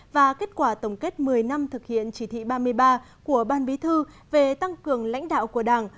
và kết quả tổng kết một mươi năm thực hiện chỉ thị ba mươi ba của ban bí thư về tăng cường lãnh đạo của đảng